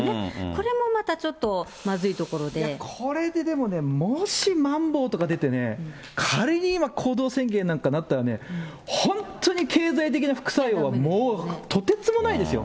これもまた、ちょっとまずいとここれででもね、もしまん防とか出てね、仮に行動制限なんてなったらね、本当に経済的な副作用はもうとてつもないですよ。